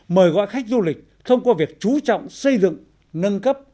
mời gọi khách du lịch thông qua việc chú trọng xây dựng nâng cấp